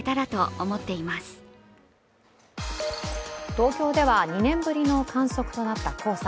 東京では２年ぶりの観測となった黄砂。